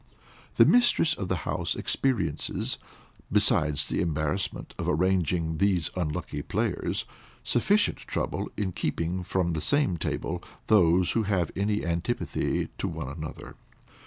The mistress of the house experiences, besides the embarrassment of arranging these unlucky players, sufficient trouble in keeping from the same table, those who have any antipathy to one another.